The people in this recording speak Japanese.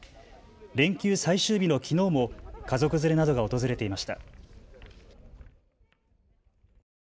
連休最終日のきのうも家族連れなどが訪れていました。